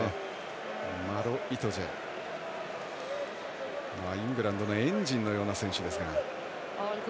マロ・イトジェはイングランドのエンジンのような選手ですが。